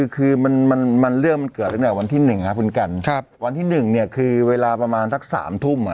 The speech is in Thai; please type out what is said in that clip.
คือมันเรื่องมันเกิดตั้งแต่วันที่๑ครับคุณกันวันที่๑เนี่ยคือเวลาประมาณสัก๓ทุ่ม